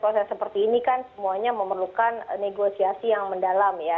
proses seperti ini kan semuanya memerlukan negosiasi yang mendalam ya